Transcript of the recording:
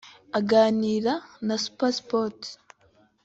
Aganira na Supersports